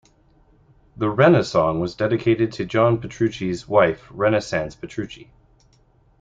"The Rena Song" was dedicated to John Petrucci's wife Rena Sands Petrucci.